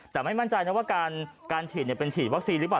แต่ไม่มั่นใจนะว่าการฉีดเป็นฉีดวัคซีนหรือเปล่า